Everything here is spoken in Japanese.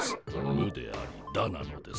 ムでありダなのです。